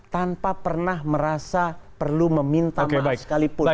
tanpa pernah merasa perlu meminta maaf sekalipun